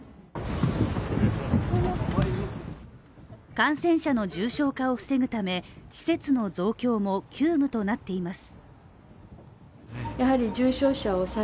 感染者の重症化を防ぐため施設の増強も急務となっています。